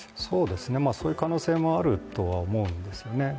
そういう可能性もあると思うんですよね。